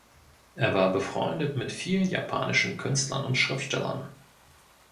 Er war befreundet mit vielen japanischen Künstlern und Schriftstellern.